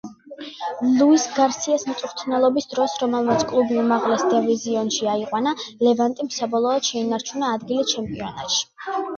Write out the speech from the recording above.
ლუის გარსიას მწვრთნელობის დროს, რომელმაც კლუბი უმაღლეს დივიზიონში აიყვანა, „ლევანტემ“ საბოლოოდ შეინარჩუნა ადგილი ჩემპიონატში.